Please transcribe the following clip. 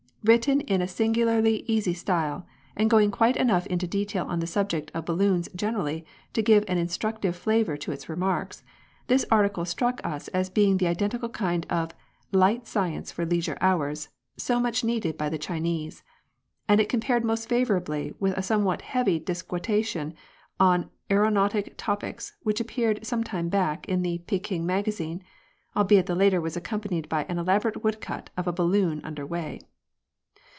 Written in a singularly easy style, and going quite enough into detail on the subject of balloons generally to give an instructive flavour to its remarks, this article struck us as being the identical kind of " light science for leisure hours " so much needed by the Chinese; and it compared most favourably with a somewhat heavy disquisition on aeronautic topics which appeared some time back in the Peking Magazine, albeit the latter was accompanied by an elaborate woodcut of a balloon under way.